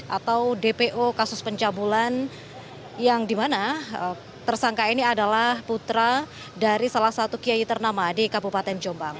atau dpo kasus pencabulan yang dimana tersangka ini adalah putra dari salah satu kiai ternama di kabupaten jombang